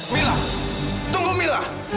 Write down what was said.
mila tunggu mila